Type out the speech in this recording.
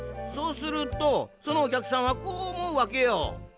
そうするとそのおきゃくさんはこうおもうわけよ。